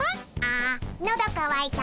あのどかわいた。